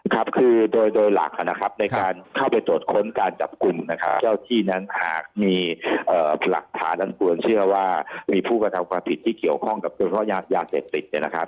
ครับคือโดยหลักนะครับในการเข้าไปตรวจค้นการจับกลุ่มนะครับเจ้าที่นั้นหากมีหลักฐานอันควรเชื่อว่ามีผู้กระทำความผิดที่เกี่ยวข้องกับตัวพ่อยาเสพติดเนี่ยนะครับ